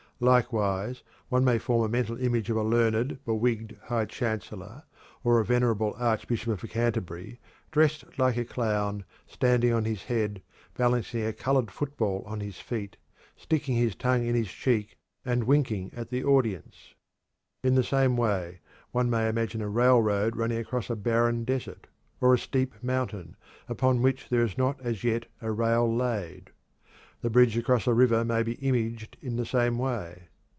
Likewise, one may form a mental image of a learned, bewigged High Chancellor, or a venerable Archbishop of Canterbury, dressed like a clown, standing on his head, balancing a colored football on his feet, sticking his tongue in his cheek and winking at the audience. In the same way one may imagine a railroad running across a barren desert, or a steep mountain, upon which there is not as yet a rail laid. The bridge across a river may be imaged in the same way.